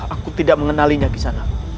aku tidak mengenalinya kisanak